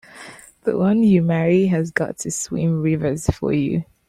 The one you marry has got to swim rivers for you!